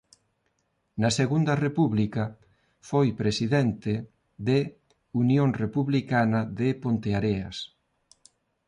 Na Segunda República foi presidente de Unión Republicana de Ponteareas.